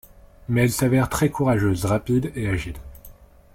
Mais elle s'avère très courageuse, rapide et agile.